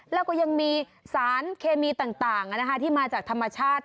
แล้วก็ยังมีสารเคมีต่างที่มาจากธรรมชาติ